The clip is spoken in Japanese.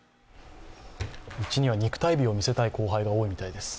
うちには肉体美を見せたい後輩が多いようです。